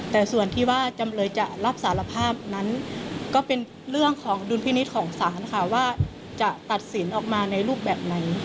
แต่ส่วนที่ว่าจำเลยจะรับสารภาพนั้นก็เป็นเรื่องของดุลพินิษฐ์ของศาลค่ะว่าจะตัดสินออกมาในรูปแบบไหน